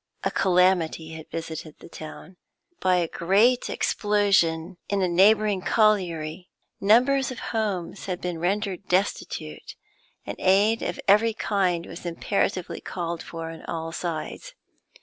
A calamity had visited the town. By a great explosion in a neighbouring colliery, numbers of homes had been rendered destitute, and aid of every kind was imperatively called for on all sides.